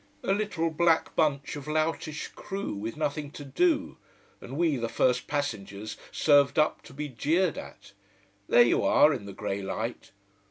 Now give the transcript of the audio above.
A little black bunch of loutish crew with nothing to do, and we the first passengers served up to be jeered at. There you are, in the grey light.